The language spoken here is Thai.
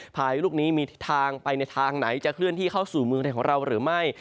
พายุลูกนี้มีทิศทางไปในทางไหนจะเคลื่อนที่เข้าสู่เมืองไทยของเราหรือไม่